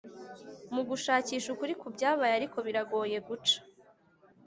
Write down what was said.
mu gushakisha ukuri ku byabaye, ariko biragoye guca